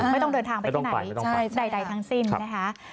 ไม่ต้องเดินทางไปที่ไหนใดทั้งสิ้นนะคะ